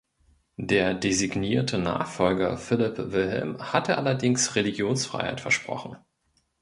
Der designierte Nachfolger Philipp Wilhelm hatte allerdings Religionsfreiheit versprochen.